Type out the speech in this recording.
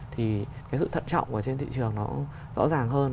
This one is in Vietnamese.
thì cái sự thận trọng ở trên thị trường nó rõ ràng hơn